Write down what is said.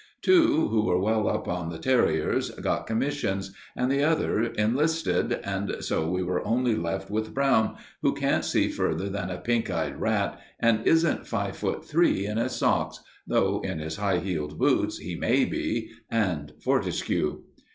Two, who were well up in the Terriers, got commissions, and the other enlisted, so we were only left with Brown, who can't see further than a pink eyed rat and isn't five foot three in his socks, though in his high heeled boots he may be, and Fortescue.